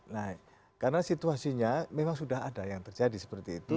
nah karena situasinya memang sudah ada yang terjadi seperti itu